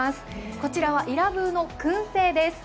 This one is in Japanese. こちらはイラブーのくん製です。